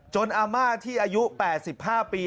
อาม่าที่อายุ๘๕ปี